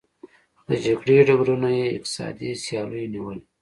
د جګړې ډګرونه یې اقتصادي سیالیو نیولي.